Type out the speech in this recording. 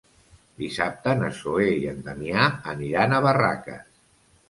Dissabte na Zoè i en Damià aniran a Barraques.